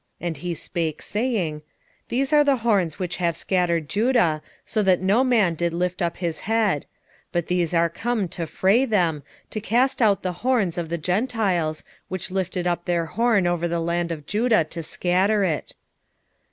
And he spake, saying, These are the horns which have scattered Judah, so that no man did lift up his head: but these are come to fray them, to cast out the horns of the Gentiles, which lifted up their horn over the land of Judah to scatter it.